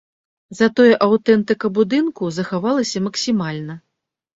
Затое аўтэнтыка будынку захавалася максімальна.